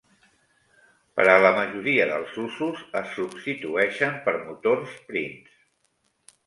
Per a la majoria dels usos, es substitueixen per motors Prince.